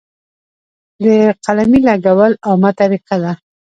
د قلمې لګول عامه طریقه ده.